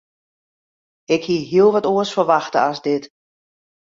Ik hie hiel wat oars ferwachte as dit.